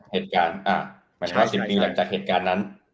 หมายถึงว่า๑๐ปีหลังจากเหตุการณ์นั้น